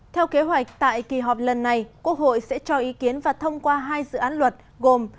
theo kế hoạch tại kỳ họp lần này quốc hội sẽ cho ý kiến và thông qua hai dự án luật gồm